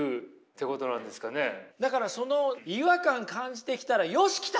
だからその違和感感じてきたらよし来たと。